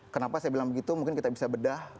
kenapa saya bilang begitu mungkin kita bisa bedah